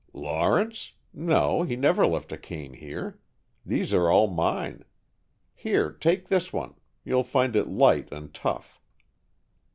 "Lawrence? No, he never left a cane here. These are all mine. Here, take this one. You'll find it light and tough."